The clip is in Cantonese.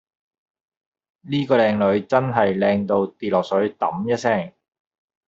喱個靚女真係靚到跌落水揼一聲